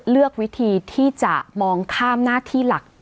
เลือกวิธีที่จะมองข้ามหน้าที่หลัก